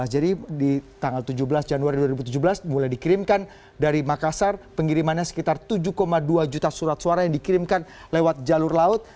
jadi di tanggal tujuh belas januari dua ribu tujuh belas mulai dikirimkan dari makassar pengirimannya sekitar tujuh dua juta surat suara yang dikirimkan lewat jalur laut